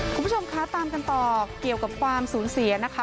คุณผู้ชมคะตามกันต่อเกี่ยวกับความสูญเสียนะคะ